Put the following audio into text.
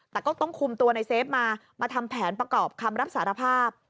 แต่ก็ต้องคุมตัวในเซฟมามาทำแผนประกอบคำรับสารภาพ